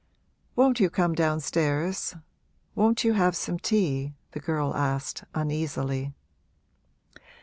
'Won't you come downstairs? won't you have some tea?' the girl asked, uneasily.